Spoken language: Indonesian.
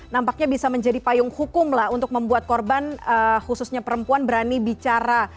nampaknya bisa menjadi payung hukum lah untuk membuat korban khususnya perempuan berani bicara